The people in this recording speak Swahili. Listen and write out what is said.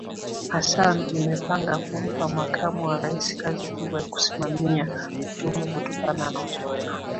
Hassan imepanga kumpa Makamu wa Rais kazi kubwa ya kusimamia uchumiKutokana na uzoefu